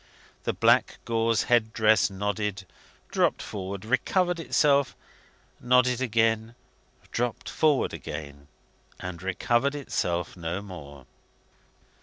The black gauze head dress nodded, dropped forward, recovered itself, nodded again, dropped forward again, and recovered itself no more.